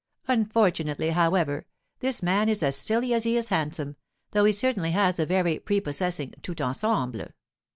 Unfortunately, however, this man is as silly as he is handsome, though he certainly has a very prepossessing tout ensemble.